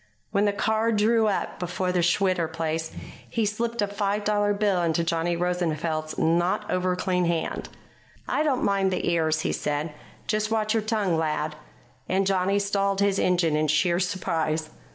When the car drew up before the Schwitter place, he slipped a five dollar bill into Johnny Rosenfeld's not over clean hand. "I don't mind the ears," he said. "Just watch your tongue, lad." And Johnny stalled his engine in sheer surprise.